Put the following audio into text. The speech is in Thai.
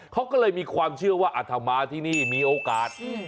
เขาก็เลยมีความเชื่อว่าอัธมาที่นี่มีโอกาส